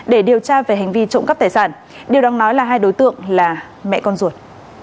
để điều tra về hành vi trụng cấp tài sản điều đang nói là hai đối tượng là mẹ con ruột